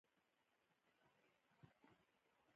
ویل : یا .